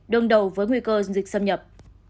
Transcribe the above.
đương đầu với nguy cơ dịch xâm nhập